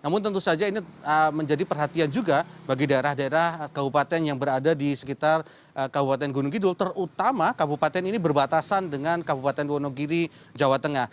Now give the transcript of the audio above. namun tentu saja ini menjadi perhatian juga bagi daerah daerah kabupaten yang berada di sekitar kabupaten gunung kidul terutama kabupaten ini berbatasan dengan kabupaten wonogiri jawa tengah